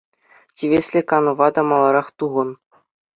Тивӗҫлӗ канӑва та маларах тухӑн.